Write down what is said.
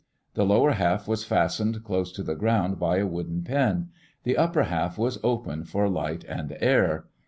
The lower half was fastened close to the ground by a wooden pin; the upper half was open for light and air.